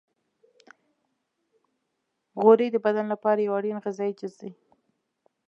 غوړې د بدن لپاره یو اړین غذایي جز دی.